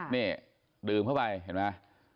นี่ดื่มเข้าไปเห็นไหม